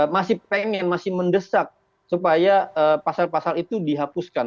masih pengen masih mendesak supaya pasal pasal itu dihapuskan